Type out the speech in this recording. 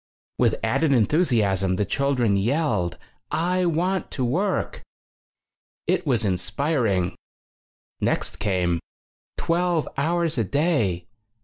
With added enthusaism, the chil dren yelled: "I want to work!" It was inspiring. Next came: "Twelve hours a day!